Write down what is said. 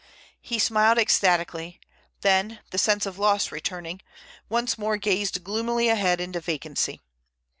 He smiled ecstatically, then, the sense of loss returning, once more gazed gloomily ahead into vacancy.